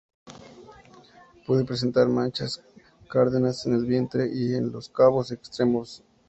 Puede presentar manchas cárdenas en el vientre, y en los cabos y extremos.